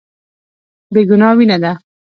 بې ګناه وينه ده.